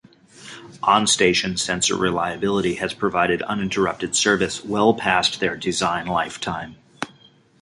On-station sensor reliability has provided uninterrupted service well past their design lifetime.